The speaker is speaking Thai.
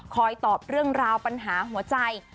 ตอบเรื่องราวปัญหาหัวใจ